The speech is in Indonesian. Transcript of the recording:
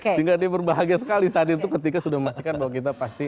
sehingga dia berbahagia sekali saat itu ketika sudah memastikan bahwa kita pasti